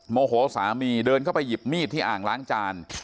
โมโหสามีเดินเข้าไปหยิบมีดที่อ่างล้างจาน